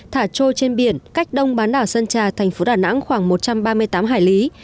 thả trôi trên biển cách đông bán đảo sơn trà thành phố đà nẵng khoảng một trăm ba mươi tám hải lý